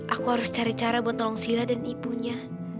aku harus cari cara buat tolong sila dan ibunya